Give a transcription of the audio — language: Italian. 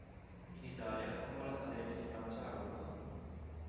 In Italia, fondò l'Accademia di Francia a Roma.